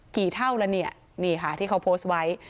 เท่าแล้วเนี่ยนี่ค่ะที่เขาโพสต์ไว้